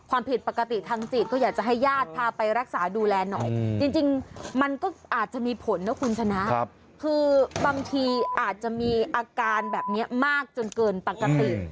อาจจะมีผลนะคุณชนะคือบางทีอาจจะมีอาการแบบเนี้ยมากจนเกินปังกันอื่น